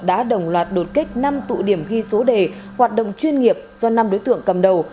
đã đồng loạt đột kích năm tụ điểm ghi số đề hoạt động chuyên nghiệp do năm đối tượng cầm đầu